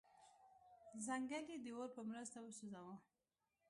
ځنګل یې د اور په مرسته وسوځاوه.